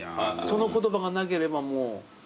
その言葉がなければもう。